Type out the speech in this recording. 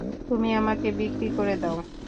তুমি আমাকে বিক্রি করে দাও।